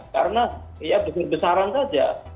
karena ya besar besaran saja